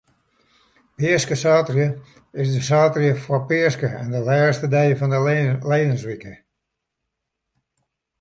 Peaskesaterdei is de saterdei foar Peaske en de lêste dei fan de lijenswike.